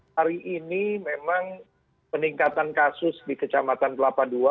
hari ini memang peningkatan kasus di kecamatan kelapa ii